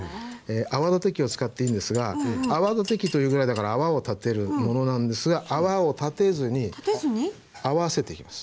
泡立て器を使っていいんですが泡立て器というぐらいだから泡を立てるものなんですが泡を立てずに合わせていきます。